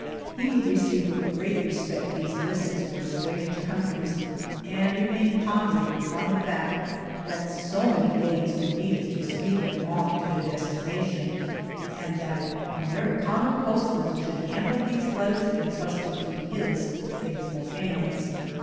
He would receive with great respect these mis sives for strange countries and remain pon dering upon the fact that so many days were needed to speed them on to their destination, and that Americano postmen should handle these letters entrusted to his faithful hands.